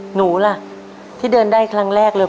หนูล่ะที่เดินได้ครั้งแรกเลย